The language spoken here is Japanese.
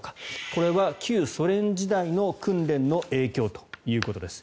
これは旧ソ連時代の訓練の影響ということです。